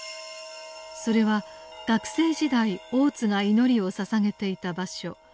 それは学生時代大津が祈りを捧げていた場所